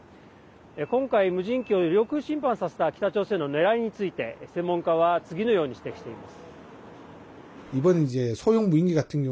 今回、無人機を領空侵犯させた北朝鮮のねらいについて専門家は次のように指摘しています。